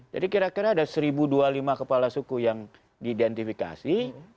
jadi kira kira ada seribu dua puluh lima kepala suku yang diidentifikasi